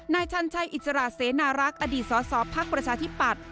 นายชันชัยอิจราเสนารักอดีตสอบภักดิ์ประชาธิปัตธ์